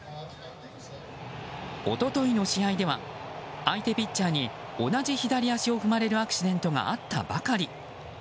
一昨日の試合では相手ピッチャーに同じ左足を踏まれるアクシデントがあったばかり。